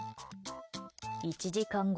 １時間後。